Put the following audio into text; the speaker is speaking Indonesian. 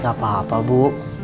gak apa apa bu